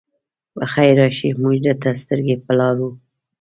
پخير راشئ! موږ درته سترګې په لار وو.